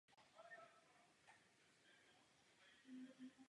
Město mělo většinovou katolickou a nacionalistickou populaci.